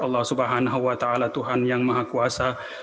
allah subhanahu wa ta'ala tuhan yang maha kuasa